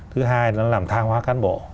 thứ hai nó làm tha hoá cán bộ